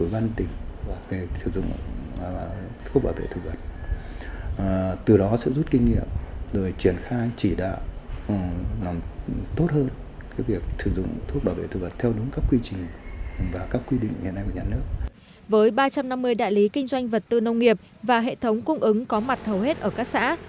với ba trăm năm mươi đại lý kinh doanh vật tư nông nghiệp và hệ thống cung ứng có mặt hầu hết ở các xã